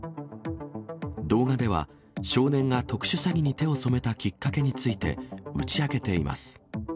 動画では、少年が特殊詐欺に手を染めたきっかけについて打ち明けています。